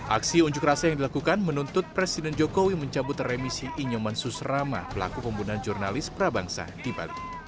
aksi unjuk rasa yang dilakukan menuntut presiden jokowi mencabut remisi inyoman susrama pelaku pembunuhan jurnalis prabangsa di bali